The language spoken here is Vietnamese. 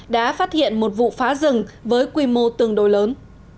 đã phát hiện một vụ phá rừng với quy mô tương đối lớn